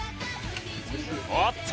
おっと！